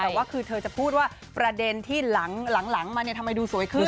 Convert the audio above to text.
แต่ว่าคือเธอจะพูดว่าประเด็นที่หลังมาเนี่ยทำไมดูสวยขึ้น